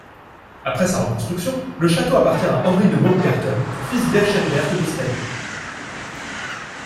Après sa reconstruction, le château appartient à Henri de Baumgarten, fils d'Erchenbert de Stein.